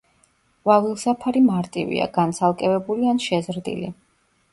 ყვავილსაფარი მარტივია, განცალკევებული ან შეზრდილი.